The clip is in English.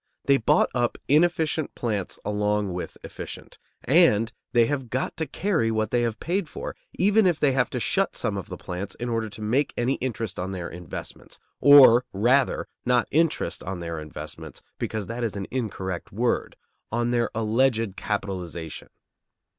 They bought up inefficient plants along with efficient, and they have got to carry what they have paid for, even if they have to shut some of the plants up in order to make any interest on their investments; or, rather, not interest on their investments, because that is an incorrect word, on their alleged capitalization.